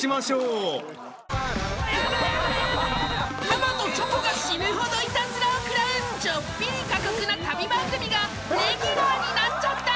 ［かまとチョコが死ぬほどイタズラを食らうちょっぴり過酷な旅番組がレギュラーになっちゃった！］